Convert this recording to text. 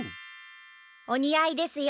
おにあいですよ